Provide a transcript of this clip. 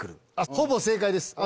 ほぼ正解です。